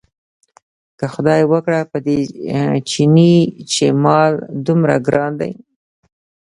که خدای وکړ په دې چیني چې مال دومره ګران دی.